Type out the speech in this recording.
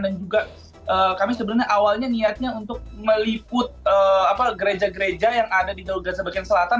dan juga kami sebenarnya awalnya niatnya untuk meliput gereja gereja yang ada di jalur gaza bagian selatan